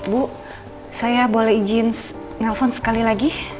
bu saya boleh izin nelfon sekali lagi